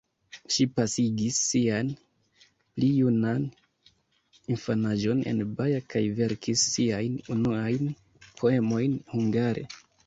Ŝi pasigis sian pli junan infanaĝon en Baja kaj verkis siajn unuajn poemojn hungare.